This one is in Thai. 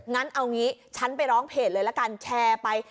งั้นเอางี้ฉันไปร้องเพจเลยละกันแชร์ไป